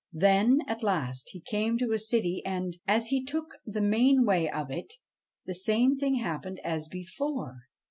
Then, at last, he came to a city ; and, as he took the mainway of it, the same thing happened as before.